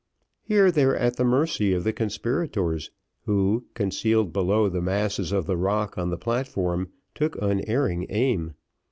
Here they were at the mercy of the conspirators, who, concealed below the masses of the rock on the platform, took unerring aim.